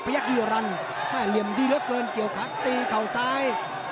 พยายามดีแล้วเกินเกี่ยวขาตีเข้าซ้าย